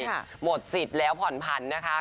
หมดสิทธิ์แล้วผ่อนผันนะคะ